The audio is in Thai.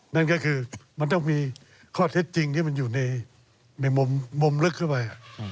นั่นก็คือมันต้องมีข้อเท็จจริงที่มันอยู่ในมุมลึกเข้าไป